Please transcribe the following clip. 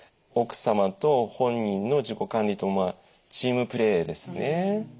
奥様と本人の自己管理とまあチームプレーですね。